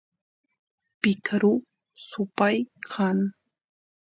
picaru supay kan